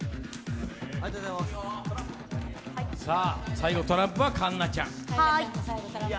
最後トランプは環奈ちゃん。